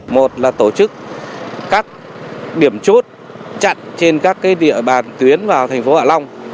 một là tổ chức các điểm chốt chặn trên các địa bàn tuyến vào